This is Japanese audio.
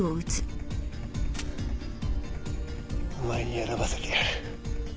お前に選ばせてやる。